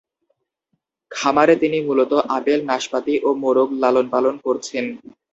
খামারে তিনি মূলতঃ আপেল, নাশপাতি ও মোরগ লালন-পালন করছেন।